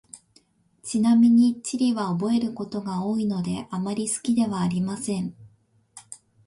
ちなみに、地理は覚えることが多いので、あまり好きではありません。